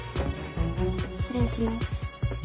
失礼します。